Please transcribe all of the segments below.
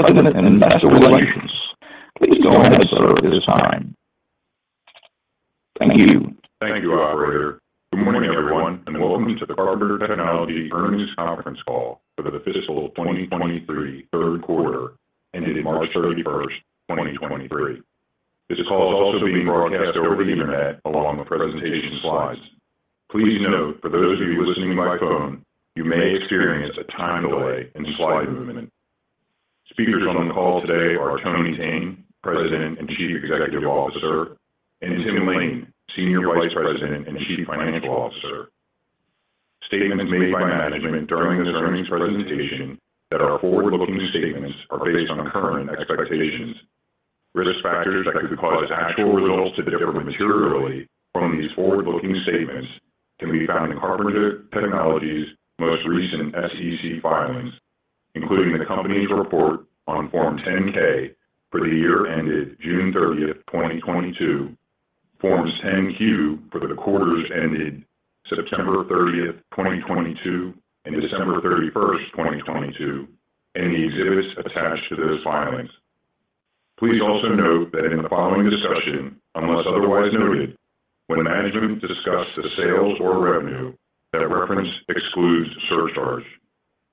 President and Investor Relations. Please go ahead, sir, at this time. Thank you. Thank you, operator. Good morning, everyone, and welcome to Carpenter Technology Earnings Conference Call for the fiscal 2023 third quarter ending March 31st, 2023. This call is also being broadcast over the Internet along with presentation slides. Please note, for those of you listening by phone, you may experience a time delay in slide movement. Speakers on the call today are Tony Thene, President and Chief Executive Officer; and Tim Lain, Senior Vice President and Chief Financial Officer. Statements made by management during this earnings presentation that are forward-looking statements are based on current expectations. Risk factors that could cause actual results to differ materially from these forward-looking statements can be found in Carpenter Technology's most recent SEC filings, including the company's report on Form 10-K for the year ended June 30th, 2022, Forms 10-Q for the quarters ended September 30th, 2022 and December 31st, 2022, and the exhibits attached to those filings. Please also note that in the following discussion, unless otherwise noted, when management discusses sales or revenue, that reference excludes surcharge.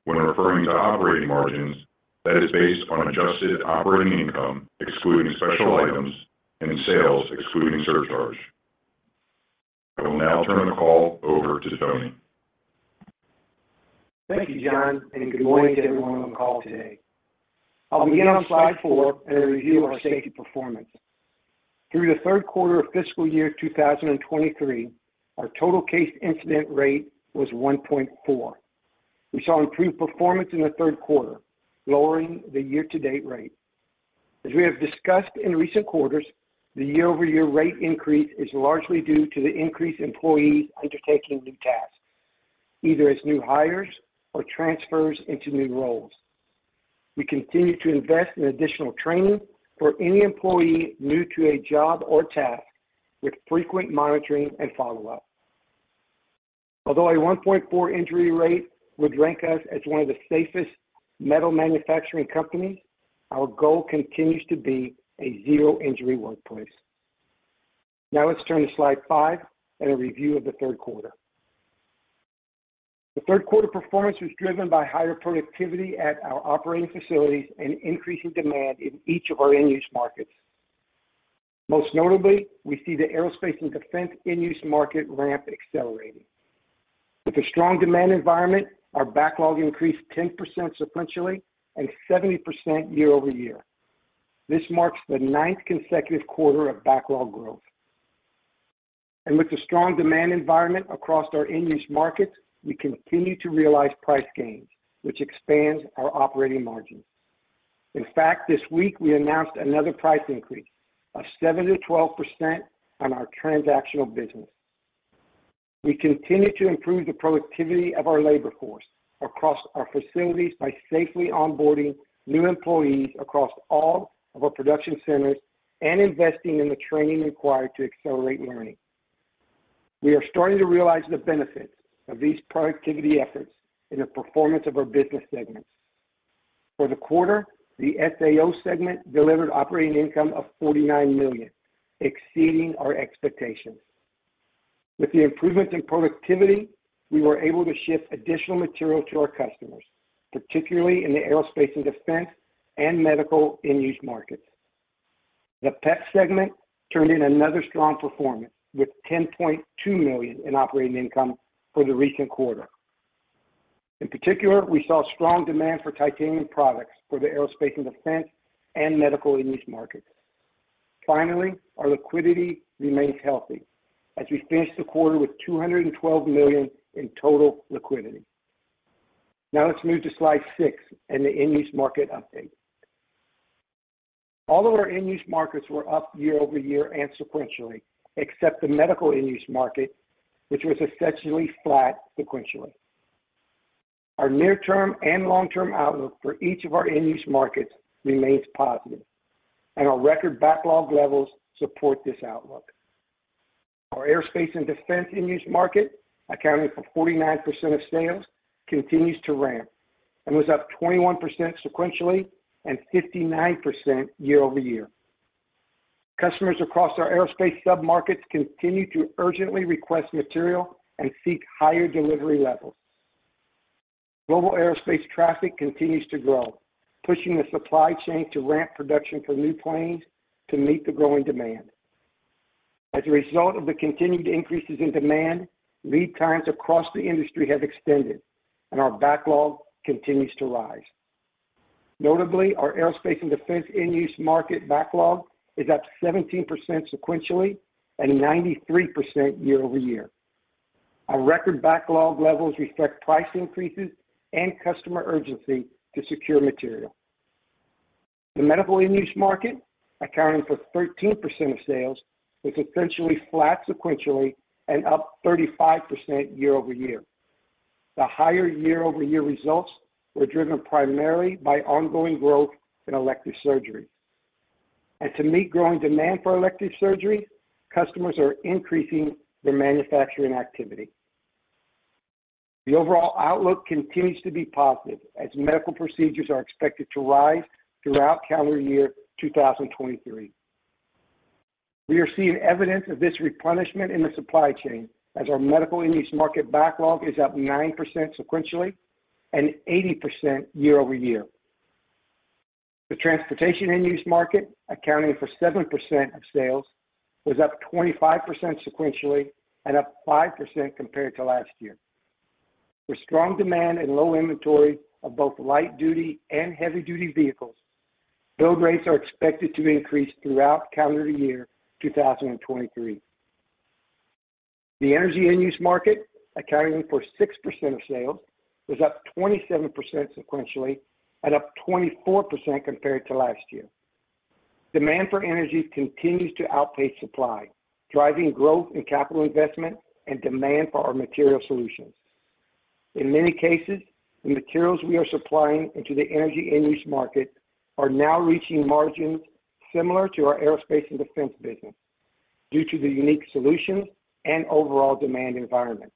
When referring to operating margins, that is based on adjusted operating income, excluding special items and sales excluding surcharge. I will now turn the call over to Tony. Thank you, John, and good morning to everyone on the call today. I'll begin on slide four and a review of our safety performance. Through the third quarter of fiscal year 2023, our total case incident rate was 1.4. We saw improved performance in the third quarter, lowering the year-to-date rate. As we have discussed in recent quarters, the year-over-year rate increase is largely due to the increased employees undertaking new tasks, either as new hires or transfers into new roles. We continue to invest in additional training for any employee new to a job or task with frequent monitoring and follow-up. Although a 1.4 injury rate would rank us as one of the safest metal manufacturing companies, our goal continues to be a zero injury workplace. Now let's turn to slide five and a review of the third quarter. The third quarter performance was driven by higher productivity at our operating facilities and increasing demand in each of our end-use markets. Most notably, we see the aerospace and defense end-use market ramp accelerating. With a strong demand environment, our backlog increased 10% sequentially and 70% year-over-year. This marks the ninth consecutive quarter of backlog growth. With the strong demand environment across our end-use markets, we continue to realize price gains, which expands our operating margins. In fact, this week we announced another price increase of 7%-12% on our transactional business. We continue to improve the productivity of our labor force across our facilities by safely onboarding new employees across all of our production centers and investing in the training required to accelerate learning. We are starting to realize the benefits of these productivity efforts in the performance of our business segments. For the quarter, the SAO segment delivered operating income of $49 million, exceeding our expectations. With the improvements in productivity, we were able to ship additional material to our customers, particularly in the aerospace and defense and medical end-use markets. The PEP segment turned in another strong performance with $10.2 million in operating income for the recent quarter. In particular, we saw strong demand for titanium products for the aerospace and defense and medical end-use markets. Finally, our liquidity remains healthy as we finished the quarter with $212 million in total liquidity. Let's move to slide six and the end-use market update. All of our end-use markets were up year-over-year and sequentially, except the medical end-use market, which was essentially flat sequentially. Our near-term and long-term outlook for each of our end-use markets remains positive, and our record backlog levels support this outlook. Our aerospace and defense end-use market, accounting for 49% of sales, continues to ramp and was up 21% sequentially and 59% year-over-year. Customers across our aerospace submarkets continue to urgently request material and seek higher delivery levels. Global aerospace traffic continues to grow, pushing the supply chain to ramp production for new planes to meet the growing demand. As a result of the continued increases in demand, lead times across the industry have extended and our backlog continues to rise. Notably, our aerospace and defense end-use market backlog is up 17% sequentially and 93% year-over-year. Our record backlog levels reflect price increases and customer urgency to secure material. The medical end-use market, accounting for 13% of sales, was essentially flat sequentially and up 35% year-over-year. To meet growing demand for elective surgery, customers are increasing their manufacturing activity. The overall outlook continues to be positive as medical procedures are expected to rise throughout calendar year 2023. We are seeing evidence of this replenishment in the supply chain as our medical end-use market backlog is up 9% sequentially and 80% year-over-year. The transportation end-use market, accounting for 7% of sales, was up 25% sequentially and up 5% compared to last year. With strong demand and low inventory of both light-duty and heavy-duty vehicles, build rates are expected to increase throughout calendar year 2023. The energy end-use market, accounting for 6% of sales, was up 27% sequentially and up 24% compared to last year. Demand for energy continues to outpace supply, driving growth in capital investment and demand for our material solutions. In many cases, the materials we are supplying into the energy end-use market are now reaching margins similar to our aerospace and defense business due to the unique solutions and overall demand environment.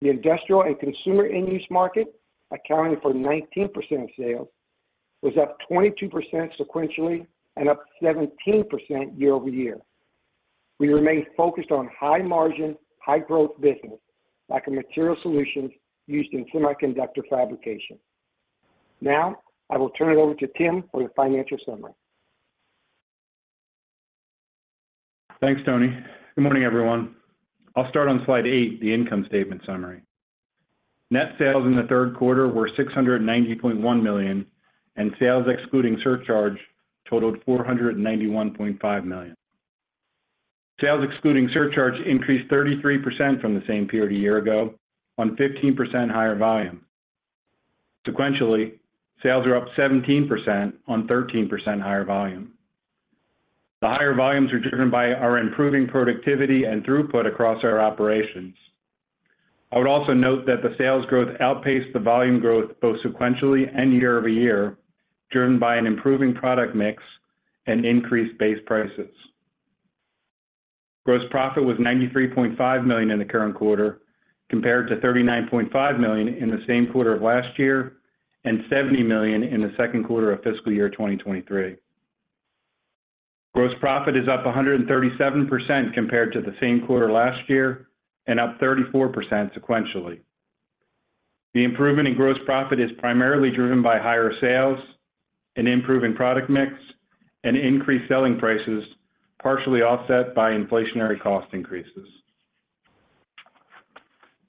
The industrial and consumer end-use market, accounting for 19% of sales, was up 22% sequentially and up 17% year-over-year. We remain focused on high margin, high growth business like the material solutions used in semiconductor fabrication. Now, I will turn it over to Tim for the financial summary. Thanks, Tony. Good morning, everyone. I'll start on slide eight, the income statement summary. Net sales in the third quarter were $690.1 million, and sales excluding surcharge totaled $491.5 million. Sales excluding surcharge increased 33% from the same period a year ago on 15% higher volume. Sequentially, sales are up 17% on 13 higher volume. The higher volumes are driven by our improving productivity and throughput across our operations. I would also note that the sales growth outpaced the volume growth both sequentially and year-over-year, driven by an improving product mix and increased base prices. Gross profit was $93.5 million in the current quarter compared to $39.5 million in the same quarter of last year, and $70 million in the second quarter of fiscal year 2023. Gross profit is up 137% compared to the same quarter last year, and up 34% sequentially. The improvement in gross profit is primarily driven by higher sales, an improvement in product mix, and increased selling prices, partially offset by inflationary cost increases.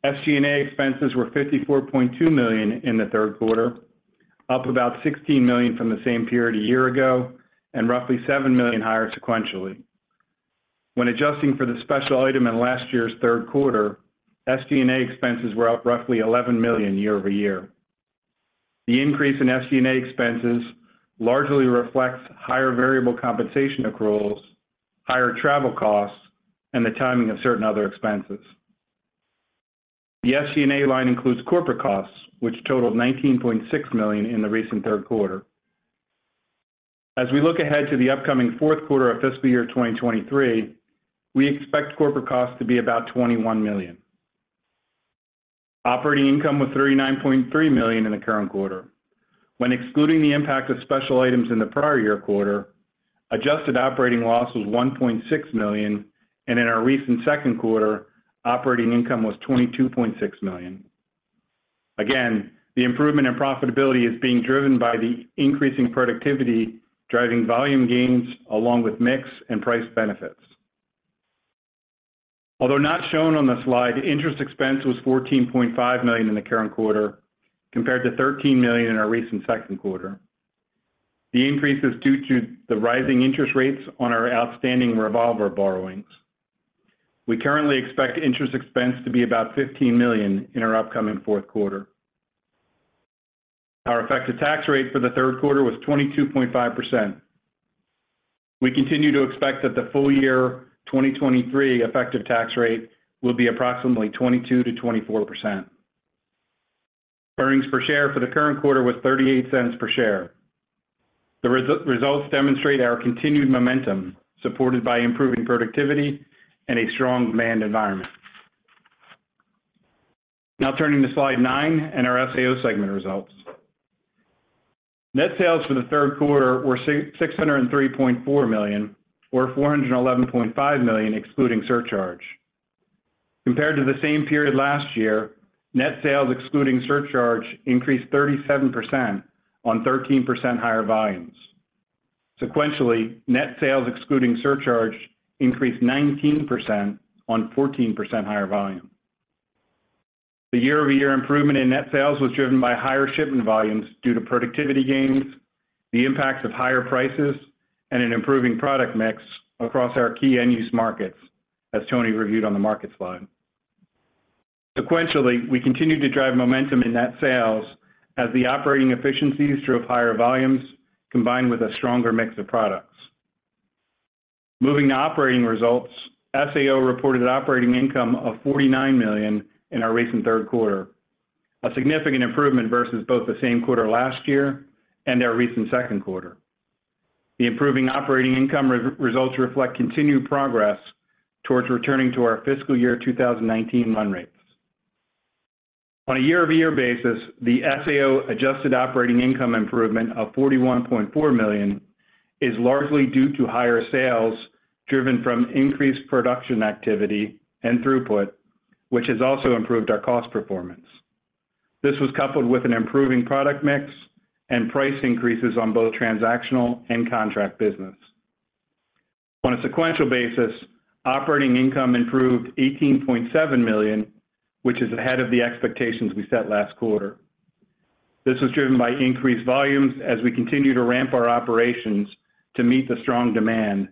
SG&A expenses were $54.2 million in the third quarter, up about $16 million from the same period a year ago, and roughly $7 million higher sequentially. When adjusting for the special item in last year's third quarter, SG&A expenses were up roughly $11 million year-over-year. The increase in SG&A expenses largely reflects higher variable compensation accruals, higher travel costs, and the timing of certain other expenses. The SG&A line includes corporate costs, which totaled $19.6 million in the recent third quarter. As we look ahead to the upcoming fourth quarter of fiscal year 2023, we expect corporate costs to be about $21 million. Operating income was $39.3 million in the current quarter. When excluding the impact of special items in the prior year quarter, adjusted operating loss was $1.6 million, and in our recent second quarter, operating income was $22.6 million. Again, the improvement in profitability is being driven by the increasing productivity, driving volume gains along with mix and price benefits. Although not shown on the slide, interest expense was $14.5 million in the current quarter compared to $13 million in our recent second quarter. The increase is due to the rising interest rates on our outstanding revolver borrowings. We currently expect interest expense to be about $15 million in our upcoming fourth quarter. Our effective tax rate for the third quarter was 22.5%. We continue to expect that the full year 2023 effective tax rate will be approximately 22%-24%. Earnings per share for the current quarter was $0.38 per share. The results demonstrate our continued momentum, supported by improving productivity and a strong demand environment. Turning to slide nine and our SAO segment results. Net sales for the third quarter were $603.4 million or $411.5 million, excluding surcharge. Compared to the same period last year, net sales excluding surcharge increased 37% on 13% higher volumes. Sequentially, net sales excluding surcharge increased 19% on 14% higher volume. The year-over-year improvement in net sales was driven by higher shipment volumes due to productivity gains, the impacts of higher prices, and an improving product mix across our key end-use markets, as Tony reviewed on the markets slide. Sequentially, we continued to drive momentum in net sales as the operating efficiencies drove higher volumes combined with a stronger mix of products. Moving to operating results, SAO reported an operating income of $49 million in our recent third quarter, a significant improvement versus both the same quarter last year and our recent second quarter. The improving operating income results reflect continued progress towards returning to our fiscal year 2019 run rates. On a year-over-year basis, the SAO adjusted operating income improvement of $41.4 million is largely due to higher sales driven from increased production activity and throughput, which has also improved our cost performance. This was coupled with an improving product mix and price increases on both transactional and contract business. On a sequential basis, operating income improved $18.7 million, which is ahead of the expectations we set last quarter. This was driven by increased volumes as we continue to ramp our operations to meet the strong demand,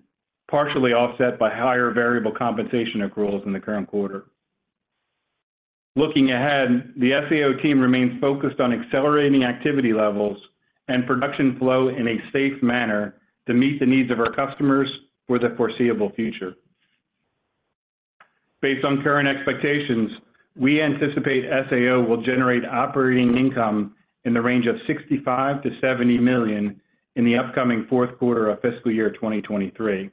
partially offset by higher variable compensation accruals in the current quarter. Looking ahead, the SAO team remains focused on accelerating activity levels and production flow in a safe manner to meet the needs of our customers for the foreseeable future. Based on current expectations, we anticipate SAO will generate operating income in the range of $65 million-$70 million in the upcoming fourth quarter of fiscal year 2023.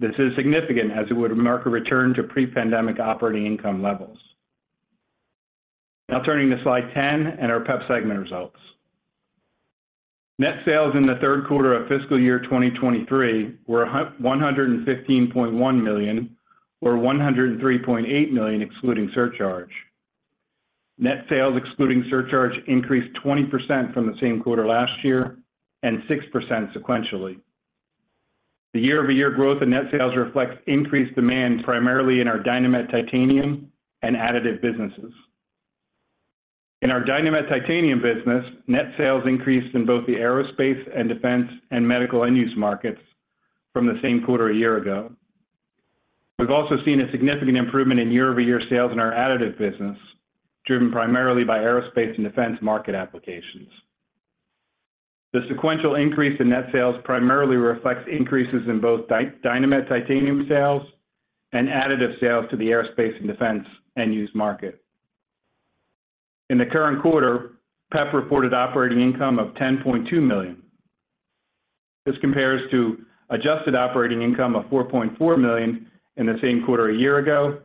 This is significant as it would mark a return to pre-pandemic operating income levels. Turning to slide 10 and our PEP segment results. Net sales in the third quarter of fiscal year 2023 were $115.1 million or $103.8 million excluding surcharge. Net sales excluding surcharge increased 20% from the same quarter last year, 6% sequentially. The year-over-year growth in net sales reflects increased demand primarily in our Dynamet titanium and additive businesses. In our Dynamet titanium business, net sales increased in both the aerospace and defense and medical end use markets from the same quarter a year ago. We've also seen a significant improvement in year-over-year sales in our additive business, driven primarily by aerospace and defense market applications. The sequential increase in net sales primarily reflects increases in both Dynamet titanium sales and additive sales to the aerospace and defense end use market. In the current quarter, PEP reported operating income of $10.2 million. This compares to adjusted operating income of $4.4 million in the same quarter a year ago,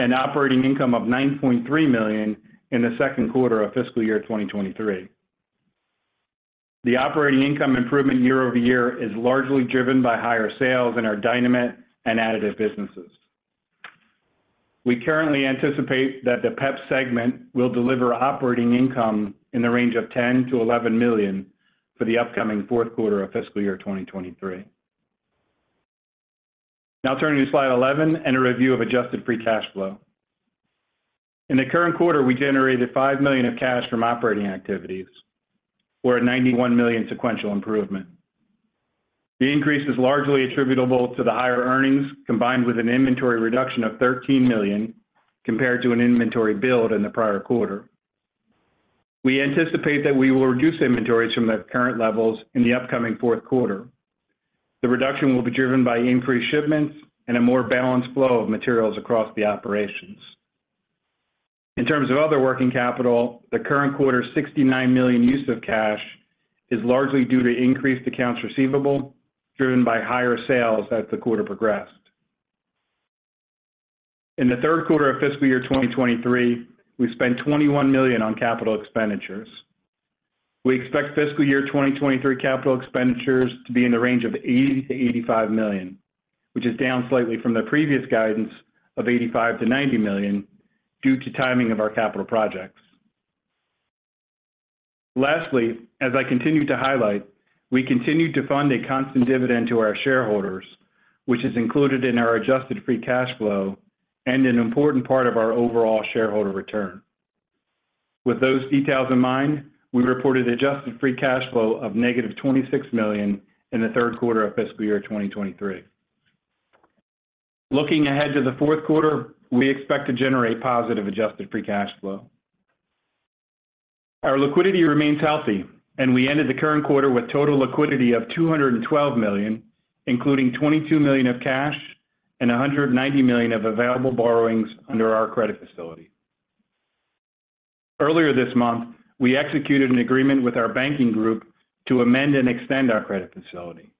operating income of $9.3 million in the second quarter of fiscal year 2023. The operating income improvement year-over-year is largely driven by higher sales in our Dynamet and additive businesses. We currently anticipate that the PEP segment will deliver operating income in the range of $10 million-$11 million for the upcoming fourth quarter of fiscal year 2023. Turning to slide 11 and a review of adjusted free cash flow. In the current quarter, we generated $5 million of cash from operating activities or a $91 million sequential improvement. The increase is largely attributable to the higher earnings, combined with an inventory reduction of $13 million compared to an inventory build in the prior quarter. We anticipate that we will reduce inventories from the current levels in the upcoming fourth quarter. The reduction will be driven by increased shipments and a more balanced flow of materials across the operations. In terms of other working capital, the current quarter $69 million use of cash is largely due to increased accounts receivable driven by higher sales as the quarter progressed. In the third quarter of fiscal year 2023, we spent $21 million on capital expenditures. We expect fiscal year 2023 capital expenditures to be in the range of $80 million-$85 million, which is down slightly from the previous guidance of $85 million-$90 million due to timing of our capital projects. Lastly, as I continue to highlight, we continue to fund a constant dividend to our shareholders, which is included in our adjusted free cash flow and an important part of our overall shareholder return. With those details in mind, we reported adjusted free cash flow of negative $26 million in the third quarter of fiscal year 2023. Looking ahead to the fourth quarter, we expect to generate positive adjusted free cash flow. Our liquidity remains healthy, and we ended the current quarter with total liquidity of $212 million, including $22 million of cash and $190 million of available borrowings under our credit facility. Earlier this month, we executed an agreement with our banking group to amend and extend our credit facility.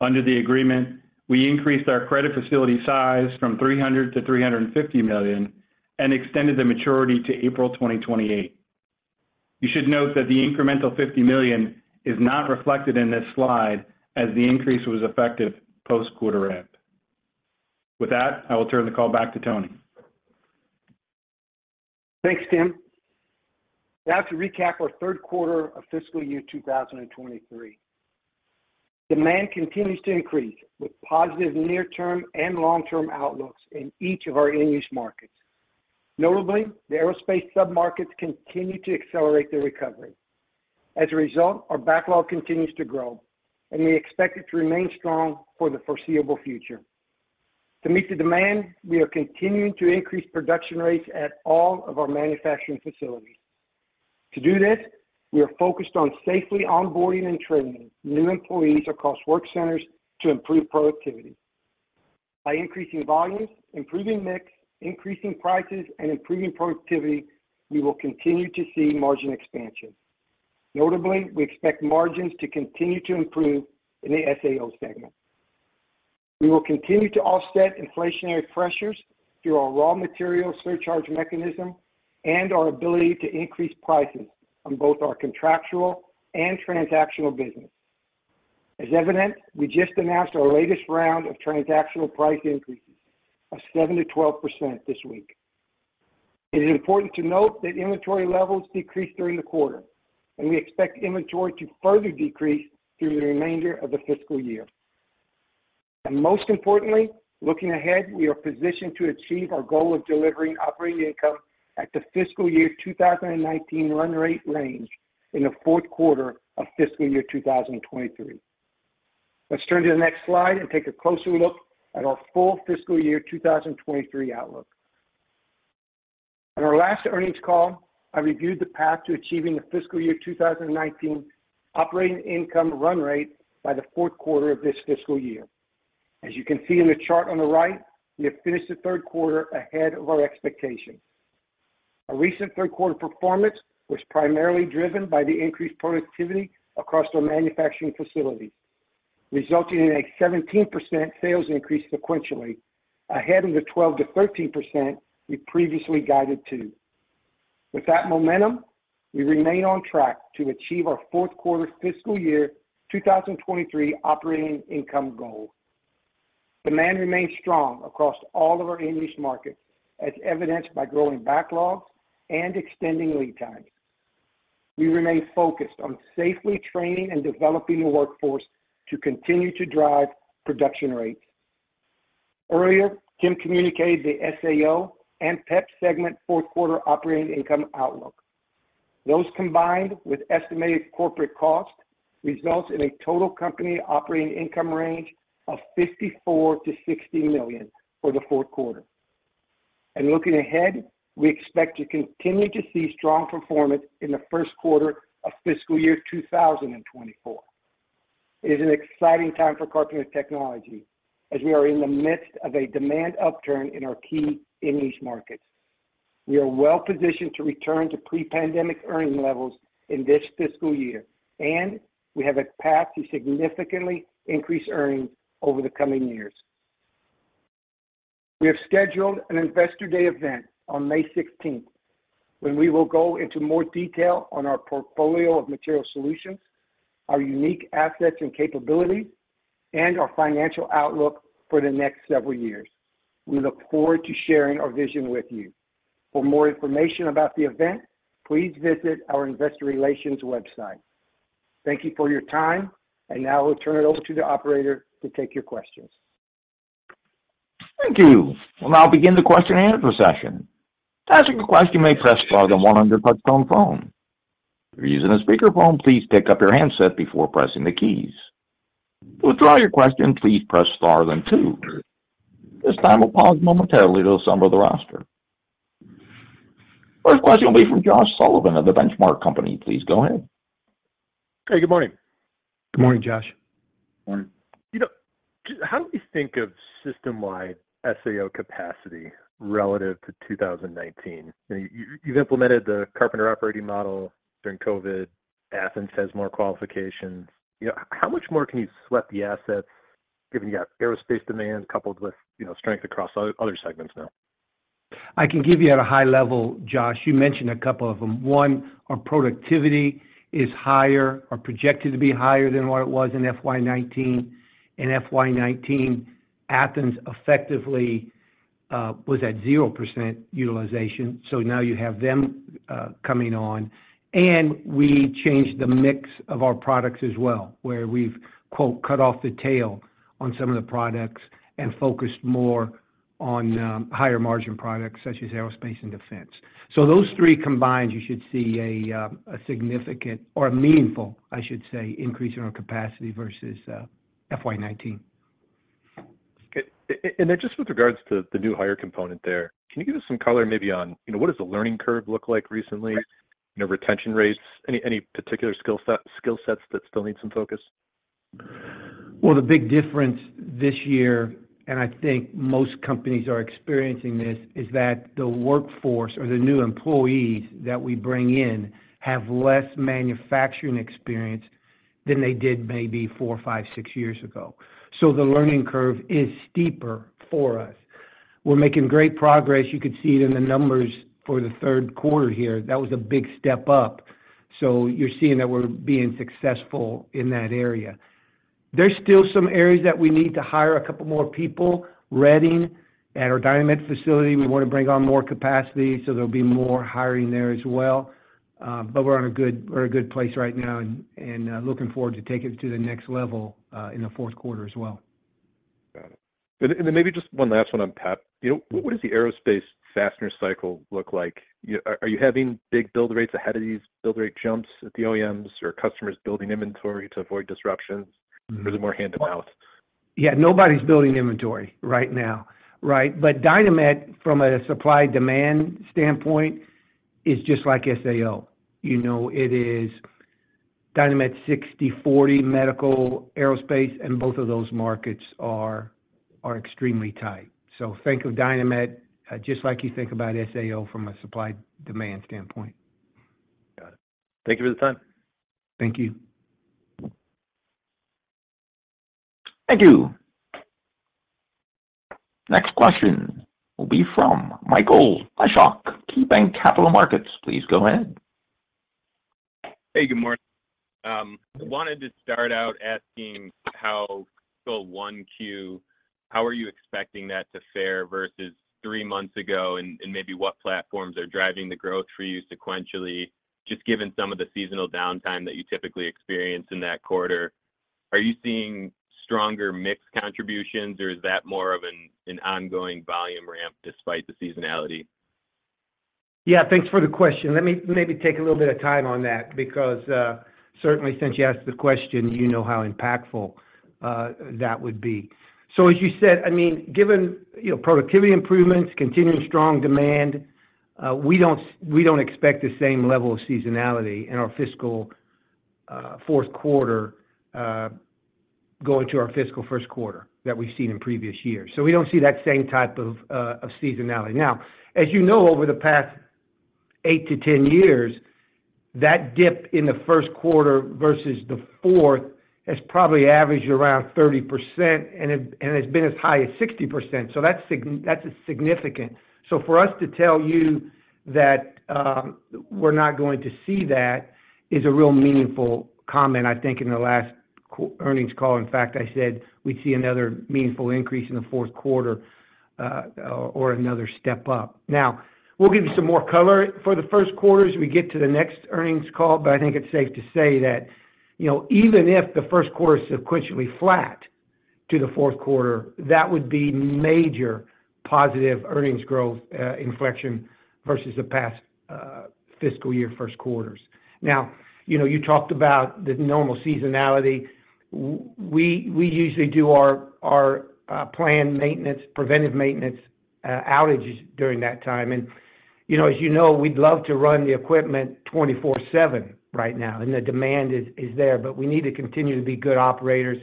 Under the agreement, we increased our credit facility size from $300 million-$350 million and extended the maturity to April 2028. You should note that the incremental $50 million is not reflected in this slide as the increase was effective post quarter end. I will turn the call back to Tony. Thanks, Tim. To recap our third quarter of fiscal year 2023. Demand continues to increase with positive near term and long-term outlooks in each of our end use markets. Notably, the aerospace sub-markets continue to accelerate their recovery. As a result, our backlog continues to grow, and we expect it to remain strong for the foreseeable future. To meet the demand, we are continuing to increase production rates at all of our manufacturing facilities. To do this, we are focused on safely onboarding and training new employees across work centers to improve productivity. By increasing volumes, improving mix, increasing prices, and improving productivity, we will continue to see margin expansion. Notably, we expect margins to continue to improve in the SAO segment. We will continue to offset inflationary pressures through our raw material surcharge mechanism and our ability to increase pricing on both our contractual and transactional business. As evident, we just announced our latest round of transactional price increases of 7%-12% this week. It is important to note that inventory levels decreased during the quarter, and we expect inventory to further decrease through the remainder of the fiscal year. Most importantly, looking ahead, we are positioned to achieve our goal of delivering operating income at the fiscal year 2019 run rate range in the fourth quarter of fiscal year 2023. Let's turn to the next slide and take a closer look at our full fiscal year 2023 outlook. On our last earnings call, I reviewed the path to achieving the fiscal year 2019 operating income run rate by the fourth quarter of this fiscal year. You can see in the chart on the right, we have finished the third quarter ahead of our expectations. Our recent third quarter performance was primarily driven by the increased productivity across our manufacturing facilities, resulting in a 17% sales increase sequentially, ahead of the 12%-13% we previously guided to. With that momentum, we remain on track to achieve our fourth quarter fiscal year 2023 operating income goal. Demand remains strong across all of our end-use markets, as evidenced by growing backlogs and extending lead times. We remain focused on safely training and developing the workforce to continue to drive production rates. Earlier, Tim communicated the SAO and PEP segment fourth quarter operating income outlook. Those combined with estimated corporate cost results in a total company operating income range of $54 million-$60 million for the fourth quarter. Looking ahead, we expect to continue to see strong performance in the first quarter of fiscal year 2024. It is an exciting time for Carpenter Technology as we are in the midst of a demand upturn in our key end-use markets. We are well-positioned to return to pre-pandemic earning levels in this fiscal year, and we have a path to significantly increase earnings over the coming years. We have scheduled an Investor Day event on May 16th, when we will go into more detail on our portfolio of material solutions, our unique assets and capabilities, and our financial outlook for the next several years. We look forward to sharing our vision with you. For more information about the event, please visit our Investor Relations website. Thank you for your time, and now we'll turn it over to the operator to take your questions. Thank you. We'll now begin the question and answer session. To ask a question, you may press star then one on your touchtone phone. If you're using a speakerphone, please pick up your handset before pressing the keys. To withdraw your question, please press star then two. At this time, we'll pause momentarily to assemble the roster. First question will be from Josh Sullivan of The Benchmark Company. Please go ahead. Hey, good morning. Good morning, Josh. Morning. You know, how do we think of system-wide SAO capacity relative to 2019? You've implemented the Carpenter Operating Model during COVID. Athens has more qualifications. You know, how much more can you sweat the assets given you got aerospace demand coupled with, you know, strength across other segments now? I can give you at a high level, Josh. You mentioned a couple of them. One, our productivity is higher or projected to be higher than what it was in FY 2019. In FY 2019, Athens effectively was at 0% utilization. Now you have them coming on. We changed the mix of our products as well, where we've, quote, cut off the tail on some of the products and focused more on higher margin products such as aerospace and defense. Those three combined, you should see a significant or a meaningful, I should say, increase in our capacity versus FY 2019. Okay. Then just with regards to the new hire component there, can you give us some color maybe on, you know, what does the learning curve look like recently? You know, retention rates? Any particular skill sets that still need some focus? The big difference this year, and I think most companies are experiencing this, is that the workforce or the new employees that we bring in have less manufacturing experience than they did maybe four, five, six years ago. The learning curve is steeper for us. We're making great progress. You could see it in the numbers for the third quarter here. That was a big step up. You're seeing that we're being successful in that area. There's still some areas that we need to hire a couple more people. Reading at our Dynamet facility, we want to bring on more capacity, so there'll be more hiring there as well. We're in a good place right now and looking forward to taking it to the next level in the fourth quarter as well. Got it. Maybe just one last one on PEP. You know, what does the aerospace fastener cycle look like? Are you having big build rates ahead of these build rate jumps at the OEMs or customers building inventory to avoid disruptions or is it more hand-to-mouth? Yeah, nobody's building inventory right now, right? Dynamet, from a supply-demand standpoint, is just like SAO. You know, it is. Dynamet 60/40 medical aerospace, and both of those markets are extremely tight. Think of Dynamet, just like you think about SAO from a supply-demand standpoint. Got it. Thank you for the time. Thank you. Thank you. Next question will be from Michael Leshock, KeyBanc Capital Markets. Please go ahead. Hey, good morning. wanted to start out asking how fiscal 1Q, how are you expecting that to fare versus three months ago, and maybe what platforms are driving the growth for you sequentially, just given some of the seasonal downtime that you typically experience in that quarter? Are you seeing stronger mix contributions, or is that more of an ongoing volume ramp despite the seasonality? Yeah, thanks for the question. Let me maybe take a little bit of time on that because, certainly since you asked the question, you know how impactful that would be. As you said, I mean, given, you know, productivity improvements, continuing strong demand, we don't expect the same level of seasonality in our fiscal fourth quarter going to our fiscal first quarter that we've seen in previous years. We don't see that same type of seasonality. Now, as you know, over the past eight to 10 years, that dip in the first quarter versus the fourth has probably averaged around 30% and has been as high as 60%. That's significant. For us to tell you that we're not going to see that is a real meaningful comment. I think in the last earnings call, in fact, I said we'd see another meaningful increase in the fourth quarter, or another step up. We'll give you some more color for the first quarter as we get to the next earnings call, but I think it's safe to say that, you know, even if the first quarter is sequentially flat to the fourth quarter, that would be major positive earnings growth inflection versus the past fiscal year first quarters. You know, you talked about the normal seasonality. We usually do our planned maintenance, preventive maintenance, outages during that time. You know, as you know, we'd love to run the equipment 24/7 right now, and the demand is there, but we need to continue to be good operators,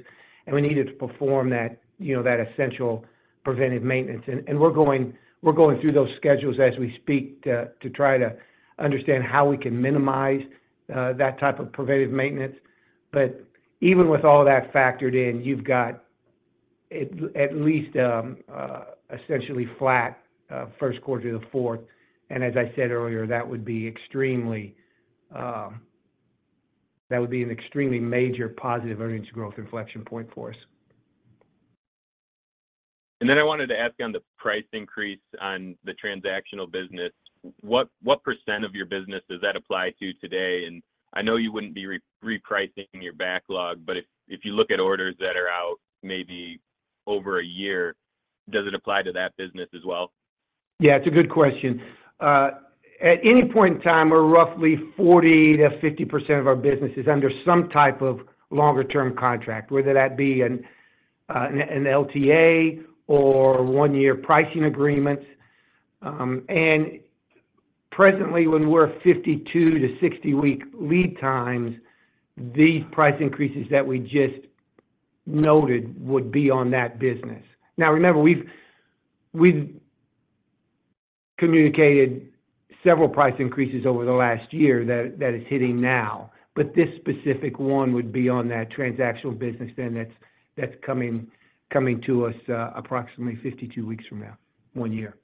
and we need it to perform that, you know, that essential preventive maintenance. We're going through those schedules as we speak to try to understand how we can minimize that type of preventive maintenance. Even with all that factored in, you've got at least essentially flat first quarter to the fourth. As I said earlier, that would be an extremely major positive earnings growth inflection point for us. I wanted to ask you on the price increase on the transactional business, what percent of your business does that apply to today? I know you wouldn't be repricing your backlog, but if you look at orders that are out maybe over a year, does it apply to that business as well? Yeah, it's a good question. At any point in time, we're roughly 40%-50% of our business is under some type of longer term contract, whether that be an LTA or one-year pricing agreements. Presently, when we're 52-60 week lead times, these price increases that we just noted would be on that business. Now remember, we've communicated several price increases over the last year that is hitting now. This specific one would be on that transactional business then that's coming to us, approximately 52 weeks from now, one year.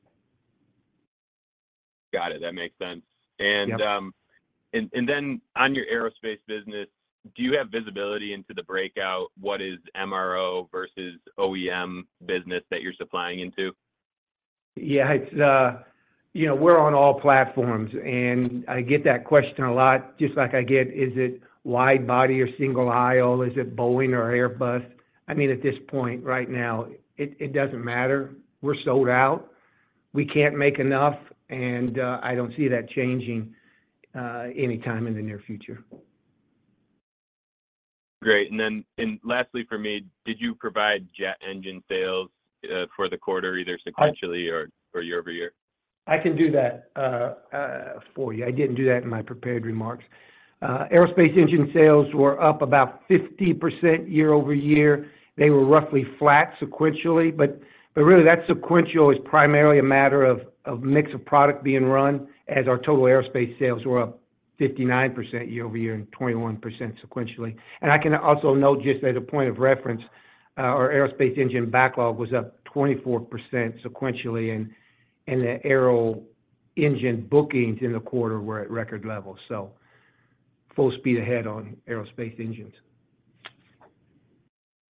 Got it. That makes sense. Yep. On your aerospace business, do you have visibility into the breakout, what is MRO versus OEM business that you're supplying into? Yeah. It's, you know, we're on all platforms. I get that question a lot, just like I get, "Is it wide body or single aisle? Is it Boeing or Airbus?" I mean, at this point right now, it doesn't matter. We're sold out. We can't make enough. I don't see that changing anytime in the near future. Great. Lastly for me, did you provide jet engine sales for the quarter, either sequentially or year-over-year? I can do that for you. I didn't do that in my prepared remarks. Aerospace engine sales were up about 50% year-over-year. They were roughly flat sequentially, but really, that sequential is primarily a matter of mix of product being run as our total aerospace sales were up 59% year-over-year and 21% sequentially. I can also note just as a point of reference, our aerospace engine backlog was up 24% sequentially, and the aero engine bookings in the quarter were at record levels. Full speed ahead on aerospace engines.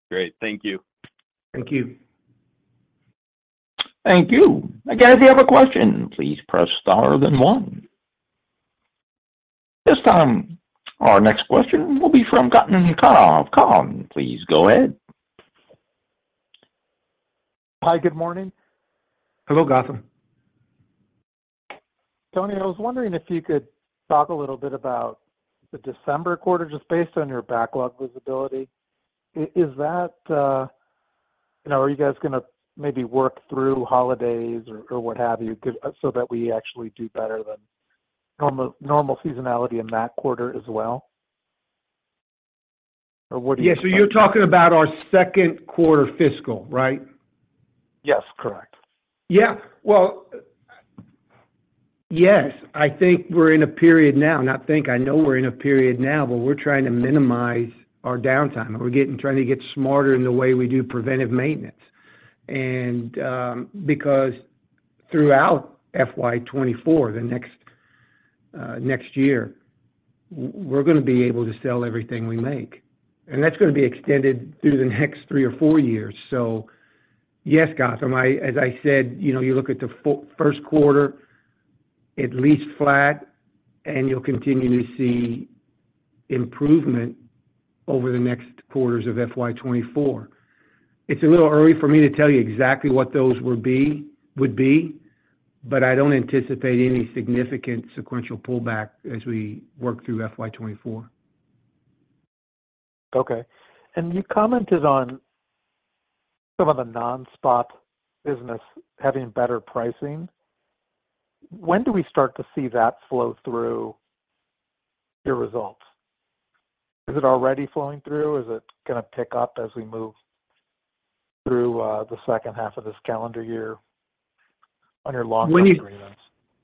Great. Thank you. Thank you. Thank you. Again, if you have a question, please press star then one. This time, our next question will be from Gautam Khanna of Cowen. Please go ahead. Hi, good morning. Hello, Gautam. Tony, I was wondering if you could talk a little bit about the December quarter, just based on your backlog visibility. You know, are you guys gonna maybe work through holidays or what have you, cause so that we actually do better than normal seasonality in that quarter as well? Or what are you? Yeah. You're talking about our second quarter fiscal, right? Yes, correct. Yeah. Well, yes, I think we're in a period now. Not think, I know we're in a period now where we're trying to minimize our downtime, and we're trying to get smarter in the way we do preventive maintenance. because throughout FY 2024, the next year, we're gonna be able to sell everything we make. that's gonna be extended through the next three or four years. yes, Gautam, as I said, you know, you look at the first quarter at least flat, and you'll continue to see improvement over the next quarters of FY 2024. It's a little early for me to tell you exactly what those would be, but I don't anticipate any significant sequential pullback as we work through FY 2024. Okay. You commented on some of the non-spot business having better pricing. When do we start to see that flow through your results? Is it already flowing through? Is it gonna pick up as we move through, the second half of this calendar year on your long-term agreements?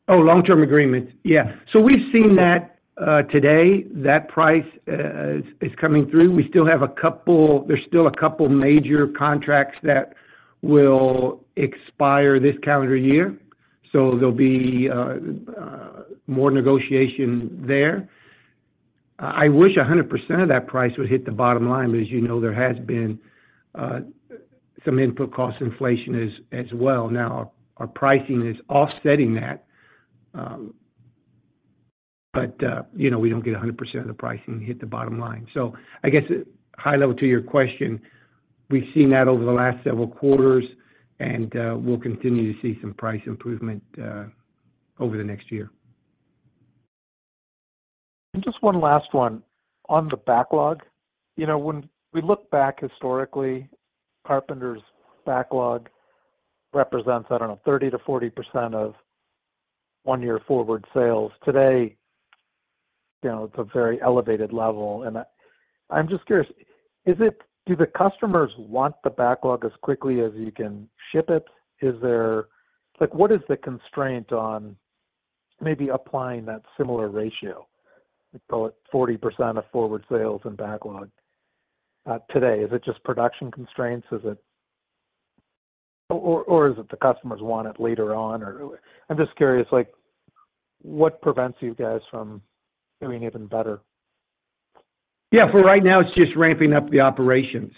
Long-term agreements. Yeah. We've seen that today. That price is coming through. There's still a couple major contracts that will expire this calendar year, so there'll be more negotiation there. I wish 100% of that price would hit the bottom line, but as you know, there has been some input cost inflation as well. Now our pricing is offsetting that, but, you know, we don't get 100% of the pricing hit the bottom line. I guess high level to your question, we've seen that over the last several quarters, and we'll continue to see some price improvement over the next year. Just one last one. On the backlog, you know, when we look back historically, Carpenter's backlog represents, I don't know, 30%-40% of one year forward sales. Today, you know, it's a very elevated level, and I'm just curious, do the customers want the backlog as quickly as you can ship it? Is there, like, what is the constraint on maybe applying that similar ratio, call it 40% of forward sales and backlog, today? Is it just production constraints? Is it, or is it the customers want it later on or I'm just curious, like, what prevents you guys from doing even better? For right now, it's just ramping up the operations.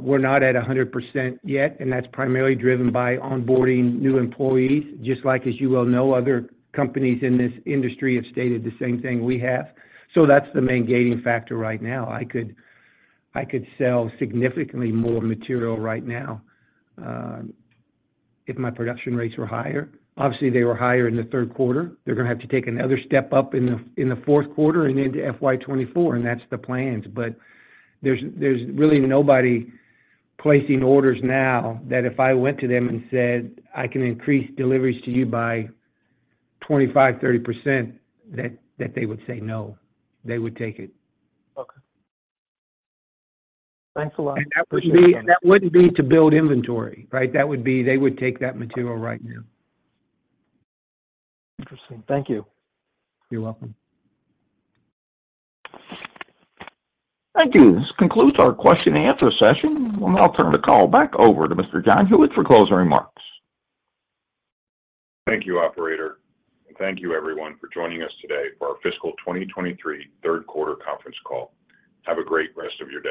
We're not at 100% yet, and that's primarily driven by onboarding new employees. Just like as you well know, other companies in this industry have stated the same thing we have. That's the main gating factor right now. I could sell significantly more material right now if my production rates were higher. Obviously, they were higher in the third quarter. They're gonna have to take another step up in the, in the fourth quarter and into FY 2024. That's the plans. There's really nobody placing orders now that if I went to them and said, "I can increase deliveries to you by 25%, 30%," that they would say no. They would take it. Okay. Thanks a lot. Appreciate it. That would be, that wouldn't be to build inventory, right? That would be, they would take that material right now. Interesting. Thank you. You're welcome. Thank you. This concludes our question and answer session. I'll now turn the call back over to Mr. John Huyette for closing remarks. Thank you, operator, and thank you everyone for joining us today for our fiscal 2023 third quarter conference call. Have a great rest of your day